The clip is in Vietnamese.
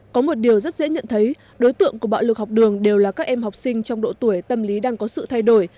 có một điều rất dễ nhận thấy đối tượng của bạo lực học đường đều là các em học sinh trong độ tuổi tâm lý đang có sự thay đổi